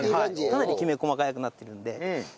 かなりきめ細かくなってるんで。